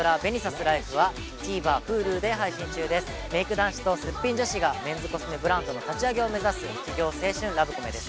男子とすっぴん女子がメンズコスメブランドの立ち上げを目指す起業青春ラブコメです。